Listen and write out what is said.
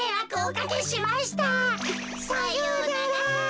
さようなら。